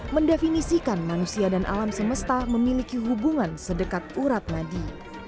mendefinisikan manusia dan alam semesta memiliki hubungan sedekat urat madi